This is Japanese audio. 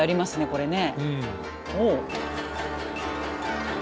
これね。